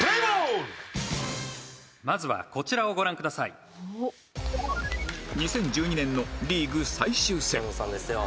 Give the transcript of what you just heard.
「まずはこちらをご覧ください」２０１２年のリーグ最終戦長野さんですよ。